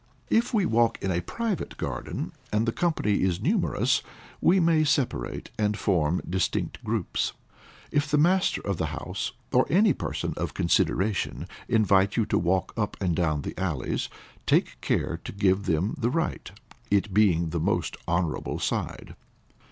If we walk in a private garden, and the company is numerous, we may separate, and form distinct groups. If the master of the house or any person of consideration, invite you to walk up and down the alleys, take care to give them the right, it being the most honorable side.